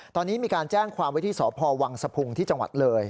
ตอนนี้มีการแจ้งความไว้ที่สพวังสะพุงที่จังหวัดเลย